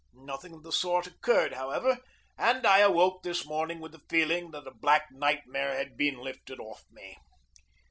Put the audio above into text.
Nothing of the sort occurred, however, and I awoke this morning with the feeling that a black nightmare had been lifted off me.